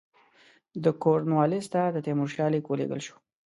د کورنوالیس ته د تیمورشاه لیک ولېږل شو.